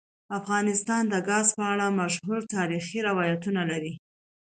افغانستان د ګاز په اړه مشهور تاریخی روایتونه لري.